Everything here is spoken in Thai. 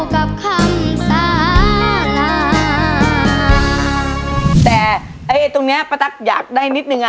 แต่นังใกล้ตรงนี้ปะตั๊คอยากได้นิดนึงอะ